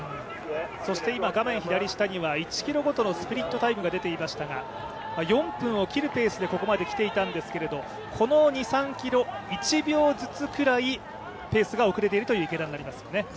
そして画面左下には１ｋｍごとのスプリットタイムが出ていましたが、４分を切るペースでここまで来ていたんですけどこの２３ｋｍ１秒ずつぐらいペースが遅れているという池田になりますね。